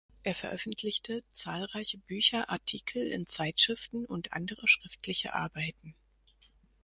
Er veröffentlichte zahlreiche Bücher, Artikel in Zeitschriften und andere schriftliche Arbeiten.